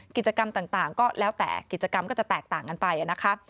กิจกรรมต่างก็แล้วแต่กิจกรรมก็จะแตกต่างกันไปนะคะ